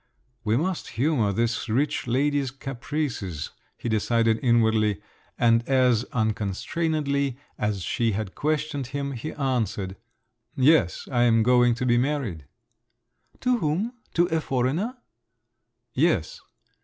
"We must humour this rich lady's caprices," he decided inwardly; and as unconstrainedly as she had questioned him he answered, "Yes; I am going to be married." "To whom? To a foreigner?" "Yes."